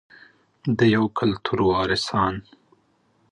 د یو کلتور وارثان.